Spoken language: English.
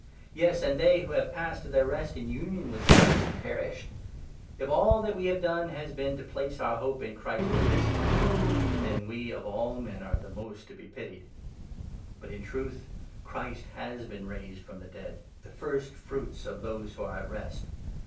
Yes, and they, who have 18 passed to their rest in union with Christ, perished ! If all that 19 we have done has been to place our hope in Christ for this life, then we of all men are the most to be pitied. But, in truth, Christ has been raised from the dead, the first 20 fruits of those who are at rest.